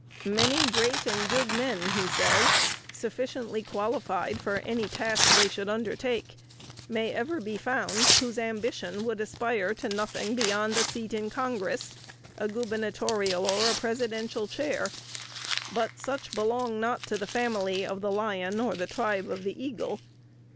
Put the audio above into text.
"Many great and good men," he says, "sufficiently qualified for any task they should undertake, may ever be found, whose ambition would aspire to nothing beyond a seat in Congress, a gubernatorial or a presidential chair; _but such belong not to the family of the lion or the tribe of the eagle.